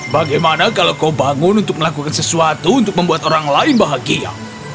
bagaimana kalau kau bangun untuk melakukan sesuatu untuk membuat orang lain bahagia